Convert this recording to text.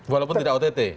walaupun tidak ott